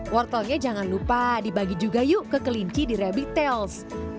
wortelnya jangan lupa dibagi juga yuk ke kelinci di rabbit tales